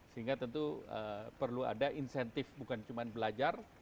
sehingga tentu perlu ada insentif bukan cuma belajar